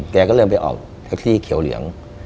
แกก็เริ่มไปออกแท็กซี่เขียวเหลือง